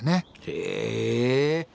へえ。